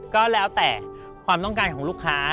ก็แล้วแต่ความต้องการของลูกค้า